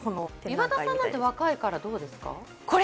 岩田さんなんて若いからどうですか？